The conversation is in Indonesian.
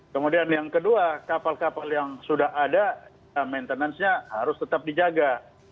kemudian yang kedua kapal kapal yang sudah ada maintenance nya harus tetap dijaga